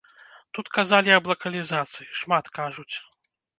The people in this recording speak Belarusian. Тут казалі аб лакалізацыі, шмат кажуць.